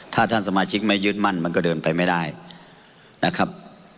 ถ้าท่านสมาชิกไม่ยึดมั่นมันก็เดินไปไม่ได้นะครับ